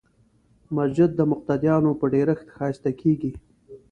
مسجد د مقتدیانو په ډېرښت ښایسته کېږي.